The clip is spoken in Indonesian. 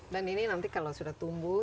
dan ini nanti kalau sudah tumbuh